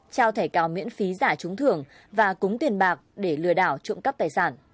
trao thẻ cao miễn phí giả trúng thưởng và cúng tiền bạc để lừa đảo trụng cấp tài sản